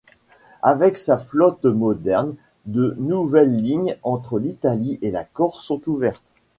Avec sa flotte moderne, de nouvelles lignes entre l'Italie et la Corse sont ouvertes.